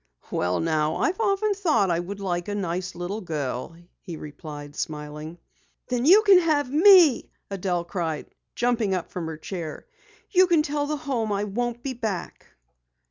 "Well, now I've often thought I would like a nice little girl," he replied, smiling. "Then you can have me!" Adelle cried, jumping up from her chair. "You can tell the Home I won't be back!"